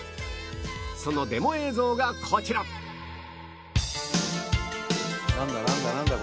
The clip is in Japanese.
そのデモ映像がこちらなんだ？